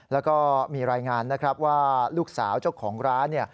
แล้วก็มีรายงานว่าลูกสาวเจ้าของร้าน